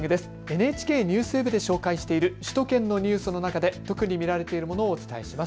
ＮＨＫＮＥＷＳＷＥＢで紹介している首都圏のニュースの中で特に見られているものをお伝えします。